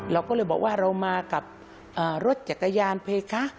เราก็เลยบอกว่าเรามากับรถจักรยานไปคะ